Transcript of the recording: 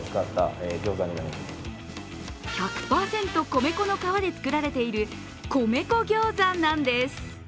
１００％米粉の皮でつくられている米粉餃子なんです。